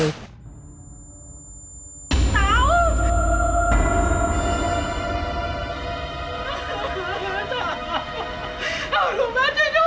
เอาหนูแม่ช่วยด้วยช่วยด้วย